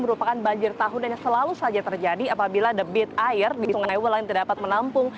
merupakan banjir tahunan yang selalu saja terjadi apabila ada bit air di sungai